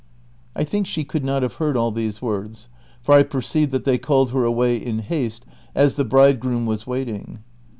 I thinlv she could not have heard all these words, for I perceived that they called her away in haste, as the bridegroom was waiting.